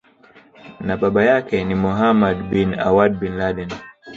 na baba yake ni Mohammad bin Awad bin Laden